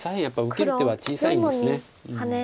やっぱり受ける手は小さいんです。